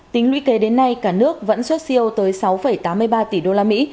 tính lũy kế đến nay cả nước vẫn xuất siêu tới sáu tám mươi ba